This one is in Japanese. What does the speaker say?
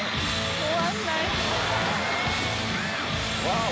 終わんないわお！